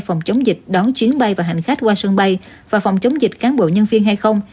phòng chống dịch đón chuyến bay và hành khách qua sân bay và phòng chống dịch cán bộ nhân viên hay không